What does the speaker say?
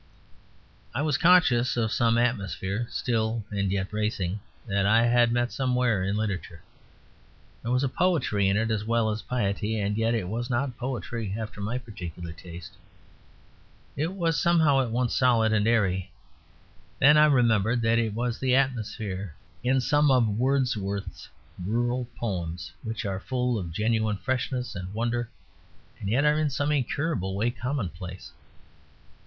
I was conscious of some atmosphere, still and yet bracing, that I had met somewhere in literature. There was poetry in it as well as piety; and yet it was not poetry after my particular taste. It was somehow at once solid and airy. Then I remembered that it was the atmosphere in some of Wordsworth's rural poems; which are full of genuine freshness and wonder, and yet are in some incurable way commonplace.